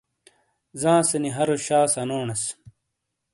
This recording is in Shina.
زانسے نی ہَرو شا سنونیس۔